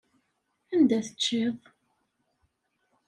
Anda teččiḍ?